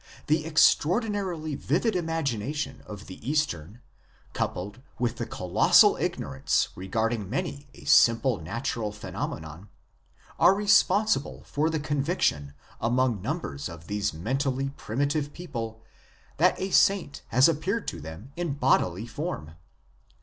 The extraordinarily vivid imagination of the Eastern, coupled with the colossal ignorance regarding many a simple natural phenomenon, are responsible for the conviction among numbers of these mentally primitive people that a saint has appeared to them in bodily form.